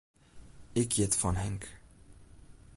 Ik hjit fan Henk.